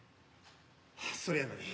はぁそれやのに。